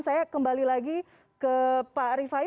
saya kembali lagi ke pak rifai